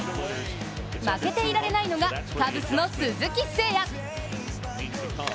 負けていられないのが、カブスの鈴木誠也。